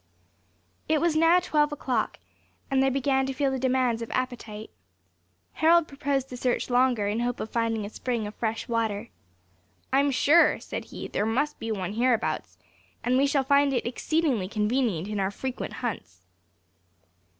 It was now twelve o'clock, and they began to feel the demands of appetite. Harold proposed to search longer, in hope of finding a spring of fresh water. "I am sure," said he, "there must be one hereabouts, and we shall find it exceedingly convenient in our frequent hunts."